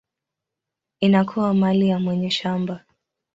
inakuwa mali ya mwenye shamba.